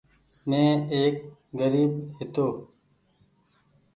مين ايڪ گريب هيتو ۔